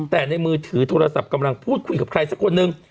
แต่ในมือถือโทรศัพท์กำลังพูดคุยกับใครสักคนนึง